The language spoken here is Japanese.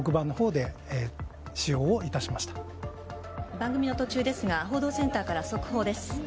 「番組の途中ですが報道センターから速報です」